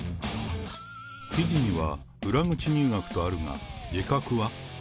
記事には裏口入学とあるが、自覚は？